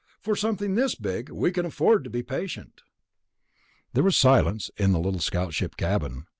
For something this big, we can afford to be patient." There was silence in the little scout ship cabin.